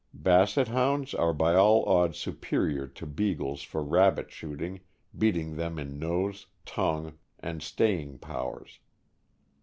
Basset Hounds are by all odds superior to Beagles for rabbit shooting, beating them in nose, tongue, and staying powers.